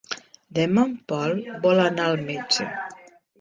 Demà en Pol vol anar al metge.